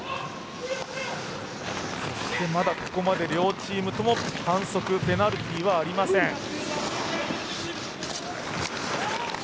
まだここまで両チームとも反則ペナルティーはありません。